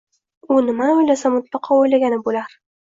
U nimani o’ylasa, mutlaqo o’ylagani bo’lar.